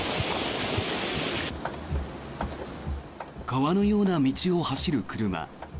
川のような道を走る車。